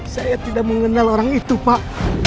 saya tidak mengenal orang itu pak